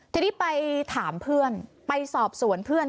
ทีนี้ไปถามเพื่อนไปสอบสวนเพื่อน